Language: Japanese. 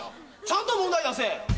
ちゃんと問題出せ！